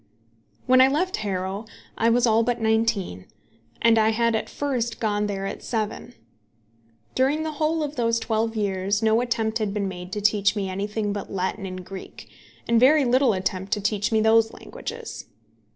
When I left Harrow I was all but nineteen, and I had at first gone there at seven. During the whole of those twelve years no attempt had been made to teach me anything but Latin and Greek, and very little attempt to teach me those languages.